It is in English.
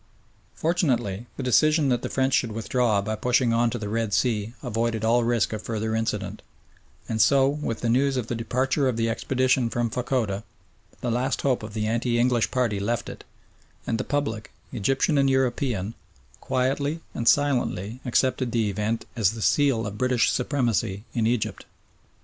Fortunately the decision that the French should withdraw by pushing on to the Red Sea avoided all risk of further incident, and so with the news of the departure of the expedition from Fachoda the last hope of the anti English party left it and the public, Egyptian and European, quietly and silently accepted the event as the seal of British supremacy in Egypt.